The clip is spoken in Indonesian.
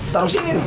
terus sini nih